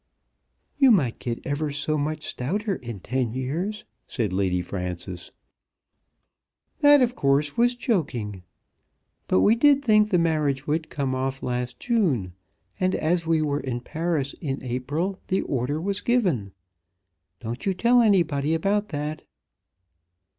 "You might get ever so much stouter in ten years," said Lady Frances. "That of course was joking. But we did think the marriage would come off last June, and as we were in Paris in April the order was given. Don't you tell anybody about that."